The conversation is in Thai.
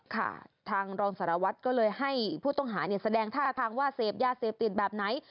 ค่ะทางรองสารวัตรก็เลยให้ผู้ต้องหาแสดงท่าทางว่าเสพยาเสพติดแบบไหน